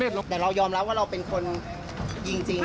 แต่เรายอมรับว่าเราเป็นคนยิงจริง